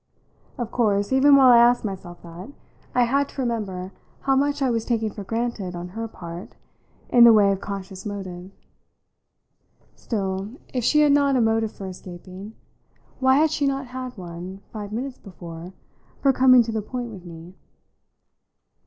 Of course, even while I asked myself that, I had to remember how much I was taking for granted on her part in the way of conscious motive. Still, if she had not a motive for escaping, why had she not had one, five minutes before, for coming to the point with me?